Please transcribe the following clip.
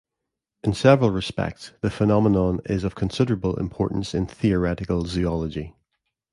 In several respects, the phenomenon is of considerable importance in theoretical zoology.